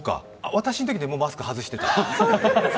私のときもうマスク外してた。